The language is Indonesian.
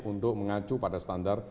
untuk mengacu pada standar